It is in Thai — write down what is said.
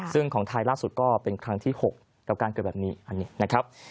ซึ่งของไทยล่าสุดก็เป็นครั้งที่๖กับการเกิดแบบนี้อันนี้นะครับ